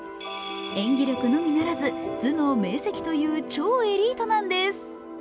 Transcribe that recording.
演技力のみならず頭脳明晰という超エリートなんです。